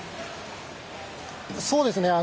そうですね。